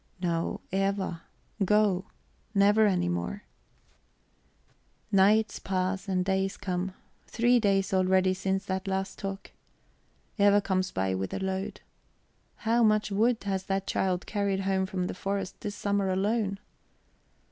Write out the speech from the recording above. "No, Eva. Go never any more!" Nights pass and days come three days already since this last talk. Eva comes by with a load. How much wood has that child carried home from the forest this summer alone?